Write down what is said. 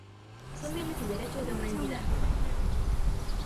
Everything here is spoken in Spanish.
Son bienes y derechos de una entidad.